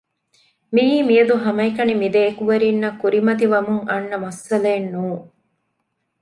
މިއީ މިއަދު ހަމައެކަނި މި ދެ އެކުވެރީންނަށް ކުރިމަތިވަމުން އަންނަ މައްސަލައެއް ނޫން